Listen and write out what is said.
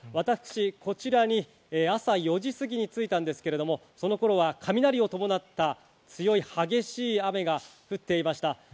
こちらに朝４時すぎに着いたんですけれど、その頃は雷を伴った強い激しい雨が降っていました。